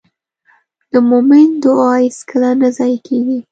د مؤمن دعا هېڅکله نه ضایع کېږي.